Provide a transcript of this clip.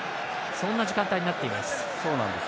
そんな時間帯になっています。